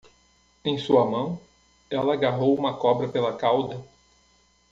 Em sua mão? ele agarrou uma cobra pela cauda.